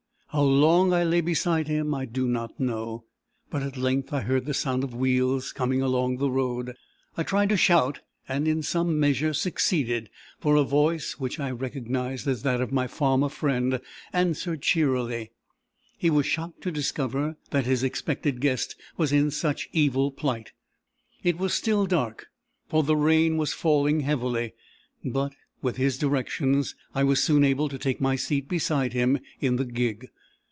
How long I lay beside him, I do not know; but, at length, I heard the sound of wheels coming along the road. I tried to shout, and, in some measure, succeeded; for a voice, which I recognised as that of my farmer friend, answered cheerily. He was shocked to discover that his expected guest was in such evil plight. It was still dark, for the rain was falling heavily; but, with his directions, I was soon able to take my seat beside him in the gig.